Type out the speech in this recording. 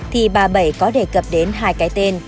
thì bà bảy có đề cập đến hai cái tên